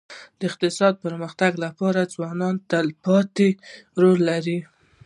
د اقتصاد د پرمختګ لپاره ځوانان تلپاتې رول لري.